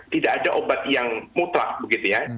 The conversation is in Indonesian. tidak ada obat yang mutlak begitu ya